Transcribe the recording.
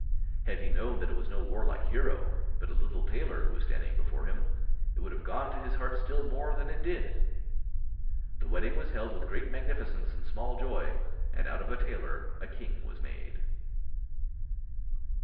Had he known that it was no warlike hero, but a little tailor who was standing before him, it would have gone to his heart still more than it did. The wedding was held with great magnificence and small joy, and out of a tailor a king was made.